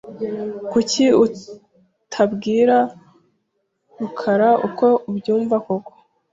Kuki utabwira rukara uko ubyumva koko?